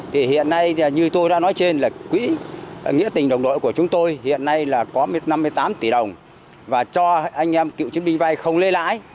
thì hiện nay như tôi đã nói trên là quỹ nghĩa tình đồng đội của chúng tôi hiện nay là có năm mươi tám tỷ đồng và cho anh em cựu chiến binh vay không lấy lãi